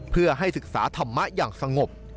เพื่อให้ศึกษาธรรมะอย่างสงบ